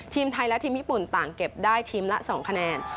ทีมไทยและทีมญี่ปุ่นต่างเก็บได้ทีมละ๒คะแนน